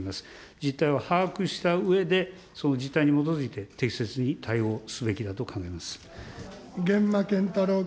実態を把握したうえで、その実態に基づいて適切に対応すべきだと源馬謙太郎君。